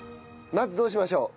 まずどうしましょう？